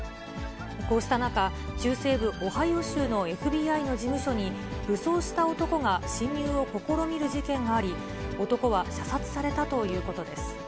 こうした中、中西部オハイオ州のＦＢＩの事務所に、武装した男が侵入を試みる事件があり、男は射殺されたということです。